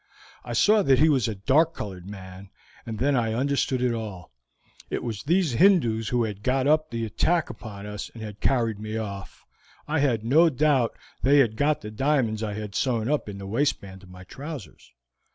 I saw that he was a dark colored man, and I then understood it all; it was those Hindoos who had got up the attack upon us and had carried me off. I had no doubt they had got the diamonds I had sewn up in the waistband of my trousers.